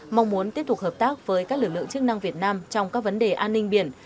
mong muốn tiếp tục hợp tác với các lực lượng chức năng việt nam trong các vấn đề an ninh biển